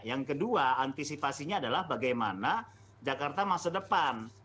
yang kedua antisipasinya adalah bagaimana jakarta masa depan